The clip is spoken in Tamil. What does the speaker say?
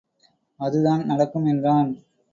அதுதான் நடக்கும் என்றான்.